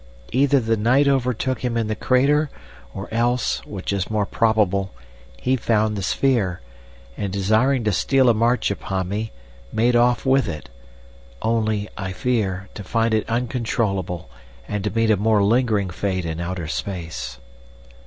Either the night overtook him in the crater, or else, which is more probable, he found the sphere, and, desiring to steal a march upon me, made off with it—only, I fear, to find it uncontrollable, and to meet a more lingering fate in outer space."